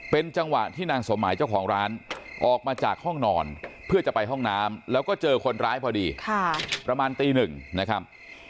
เป็นจังหวะที่นางสมหมายเจ้าของร้านออกมาจากห้องนอนเพื่อจะไปห้องน้ำแล้วก็เจอคนร้ายพอดีประมาณตีหนึ่งนะครับ